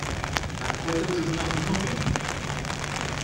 Апхуэдэу жыпӀэ хъунукъым.